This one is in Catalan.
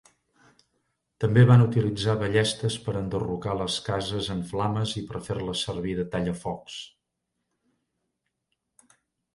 També van utilitzar ballestes per enderrocar les cases en flames i per fer-les servir de tallafocs.